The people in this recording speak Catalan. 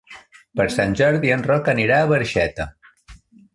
Per Sant Jordi en Roc anirà a Barxeta.